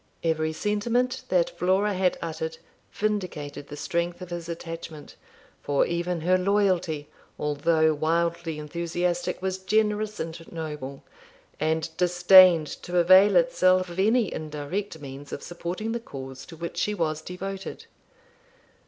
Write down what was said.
Every sentiment that Flora had uttered vindicated the strength of his attachment; for even her loyalty, although wildly enthusiastic, was generous and noble, and disdained to avail itself of any indirect means of supporting the cause to which she was devoted.